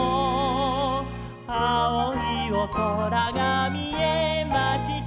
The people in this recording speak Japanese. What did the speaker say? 「あおいおそらがみえました」